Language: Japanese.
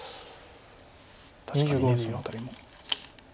確かにその辺りも。